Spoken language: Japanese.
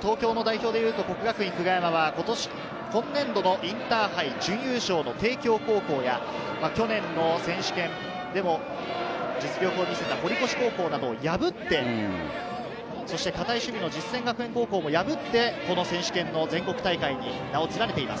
東京の代表でいうと國學院久我山は今年、今年度のインターハイ準優勝の帝京高校や、去年の選手権でも、実業を見せた堀越高校などを破って、堅い守備の実践学園高校も破って選手権の全国大会に名を連ねています。